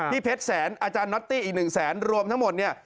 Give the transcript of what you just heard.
เพชรแสนอาจารย์น็อตตี้อีก๑แสนรวมทั้งหมดเนี่ย